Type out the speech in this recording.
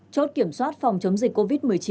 chốt kiểm soát phòng chống dịch covid một mươi chín